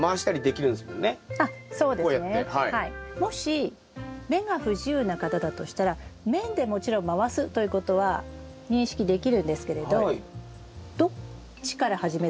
もし目が不自由な方だとしたら面でもちろん回すということは認識できるんですけれどどっちから始めたっけとか途中で分かんなくなりますよね。